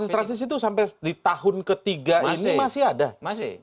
transisi itu sampai di tahun ketiga ini masih ada